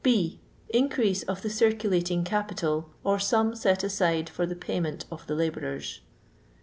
B. Increase pf the circulating capital, or sum set atide for the payment qf the labourers.